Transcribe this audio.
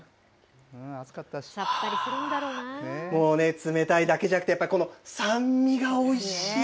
もうね、冷たいだけじゃなくて、やっぱり、この酸味がおいしい。